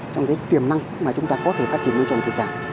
trong cái tiềm năng mà chúng ta có thể phát triển nuôi trồng thủy sản